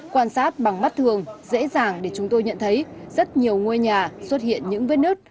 quan sát bằng mắt thường dễ dàng để chúng tôi nhận thấy rất nhiều ngôi nhà xuất hiện những vết nứt